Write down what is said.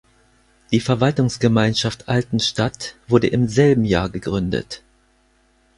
Die Verwaltungsgemeinschaft Altenstadt wurde im selben Jahr gegründet.